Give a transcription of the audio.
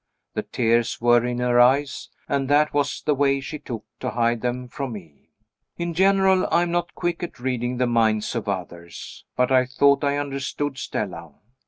The tears were in her eyes, and that was the way she took to hide them from me. In general, I am not quick at reading the minds of others but I thought I understood Stella.